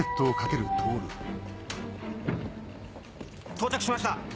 ・到着しました！